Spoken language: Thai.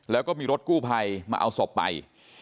แล้วก็มีรถกู้ภัยมาเอาศพไป